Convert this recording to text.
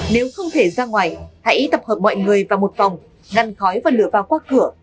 nếu không thể ra ngoài hãy tập hợp mọi người vào một phòng ngăn khói và lửa vào qua cửa